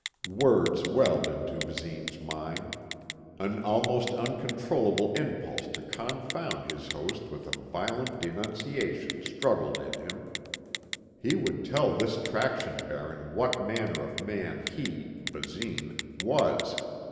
Words welled into Basine's mind. An almost uncontrollable impulse to confound his host with a violent denunciation struggled in him. He would tell this traction baron what manner of man he, Basine, was.